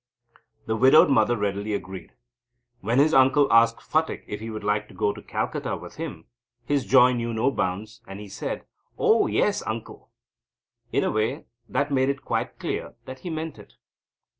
The widowed mother readily agreed. When his uncle asked Phatik If he would like to go to Calcutta with him, his joy knew no bounds, and he said; "Oh, yes, uncle!" In a way that made it quite clear that he meant it.